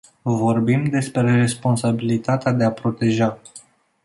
Vorbim despre responsabilitatea de a proteja.